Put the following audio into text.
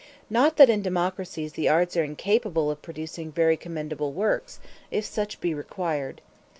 Not that in democracies the arts are incapable of producing very commendable works, if such be required.